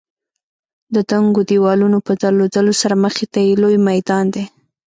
د دنګو دېوالونو په درلودلو سره مخې ته یې لوی میدان دی.